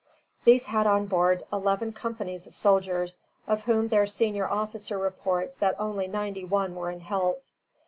These had on board eleven companies of soldiers, of whom their senior officer reports that only ninety one were in health.